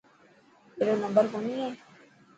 اي رو نمبر ڪوني هي.